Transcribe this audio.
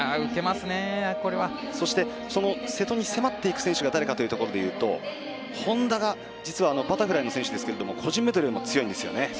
そして、瀬戸に迫っていく選手が誰かというところで言うと本多が実はバタフライの選手ですけど個人メドレーも強いんですよね。